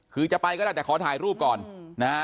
คือจะไปก็ได้แต่ขอถ่ายรูปก่อนนะฮะ